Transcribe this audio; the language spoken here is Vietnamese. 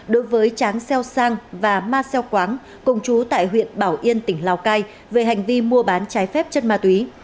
đối với tráng xeo sang và ma xeo quáng cùng chú tại huyện bảo yên tỉnh lào cai về hành vi mua bán trái phép chất ma túy